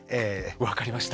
分かりました。